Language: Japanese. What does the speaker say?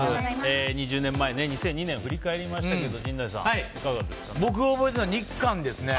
２０年前、２００２年を振り返りましたけども僕は覚えてたのが日韓ですね。